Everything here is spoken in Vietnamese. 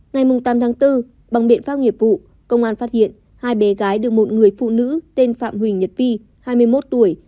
ngày tám tháng bốn bằng biện pháp nghiệp vụ công an phát hiện hai bé gái được một người phụ nữ tên phạm huỳnh nhật vi hai mươi một tuổi